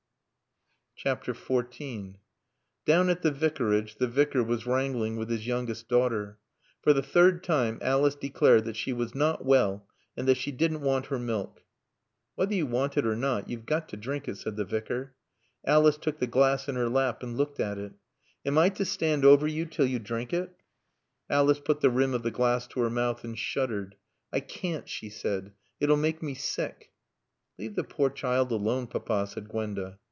XIV Down at the Vicarage the Vicar was wrangling with his youngest daughter. For the third time Alice declared that she was not well and that she didn't want her milk. "Whether you want it or not you've got to drink it," said the Vicar. Alice took the glass in her lap and looked at it. "Am I to stand over you till you drink it?" Alice put the rim of the glass to her mouth and shuddered. "I can't," she said. "It'll make me sick." "Leave the poor child alone, Papa," said Gwenda.